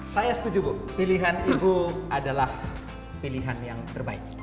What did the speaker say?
saya setuju bu pilihan ibu adalah pilihan yang terbaik